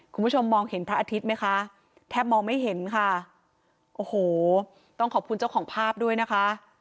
คุณผู้ชมมองเห็นพระอาทิตย์ไหมคะแทบมองไม่เห็นค่ะโอ้โหต้องขอบคุณเจ้าของภาพด้วยนะคะ